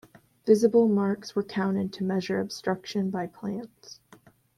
Visible marks were counted to measure obstruction by plants.